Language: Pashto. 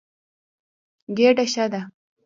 ګېډه ښه ده.